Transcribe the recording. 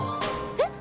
えっ？